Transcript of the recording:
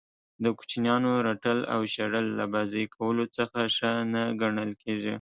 د کوچنیانو رټل او شړل له بازئ کولو څخه ښه نه ګڼل کیږي.